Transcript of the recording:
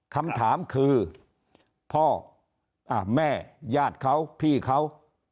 คำถามคือพ่อแม่ญาติเขาพี่เขา